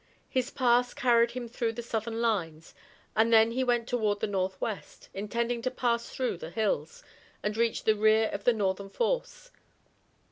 His pass carried him through the Southern lines, and then he went toward the northwest, intending to pass through the hills, and reach the rear of the Northern force.